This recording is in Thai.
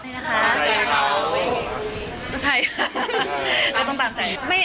นั่นนะคะใช่ค่ะต้องตามใจ